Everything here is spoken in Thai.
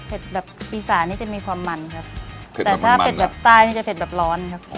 เผ็ดแบบใต้หรืออีซานครับอ๋อต่างกันอย่างนี้เองไม่ว่าเป็นสวัสดิต้มยำที่แบบรสชาติจัดจ้านจริง